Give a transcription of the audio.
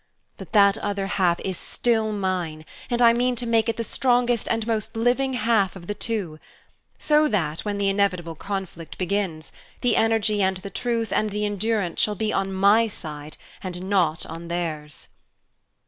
But that other half is still mine, and I mean to make it the strongest and most living half of the two, so that, when the inevitable conflict begins, the energy and the truth and the endurance shall be on my side and not on theirs!"